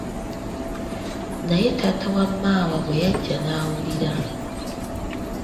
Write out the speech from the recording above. Naye taata wa Maawa bwe yajja n'awulira,